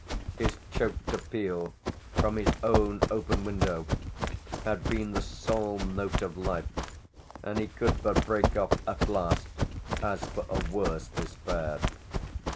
His choked appeal from his own open window had been the sole note of life, and he could but break off at last as for a worse despair.